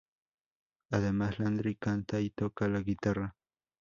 Además, Landry canta y toca la guitarra.